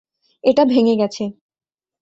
এটা ভেঙ্গে গেছে।